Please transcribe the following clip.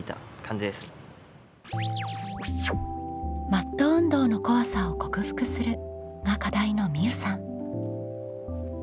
「マット運動の怖さを克服する」が課題のみうさん。